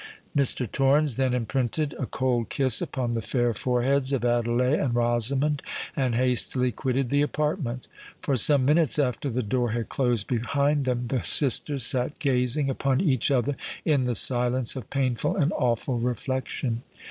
Mr. Torrens then imprinted a cold kiss upon the fair foreheads of Adelais and Rosamond, and hastily quitted the apartment. For some minutes after the door had closed behind them, the sisters sat gazing upon each other in the silence of painful and awful reflection.